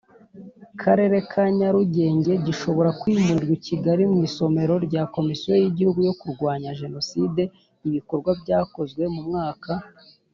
Karere ka Nyarugenge Gishobora kwimurirwa ikigaliMu isomero rya Komisiyo y gihugu yo Kurwanya Jenoside ibikorwa byakozwe mu mwaka